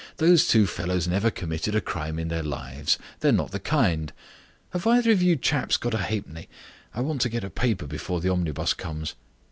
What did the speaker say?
"Those two fellows never committed a crime in their lives. They're not the kind. Have either of you chaps got a halfpenny? I want to get a paper before the omnibus comes."